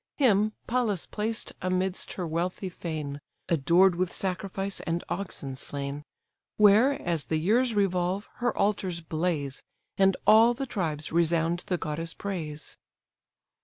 Him Pallas placed amidst her wealthy fane, Adored with sacrifice and oxen slain; Where, as the years revolve, her altars blaze, And all the tribes resound the goddess' praise.)